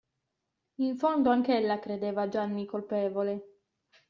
In fondo anch'ella credeva Gianni colpevole.